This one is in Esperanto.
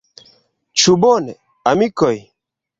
Ĉu bone, amikoj?